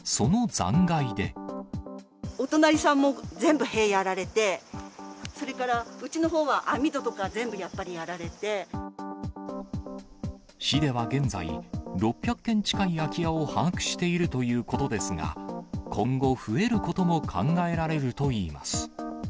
お隣さんも全部、塀やられて、それからうちのほうは網戸とか全部、やっぱりやられ市では現在、６００軒近い空き家を把握しているということですが、今後、増えることも考えられるといいます。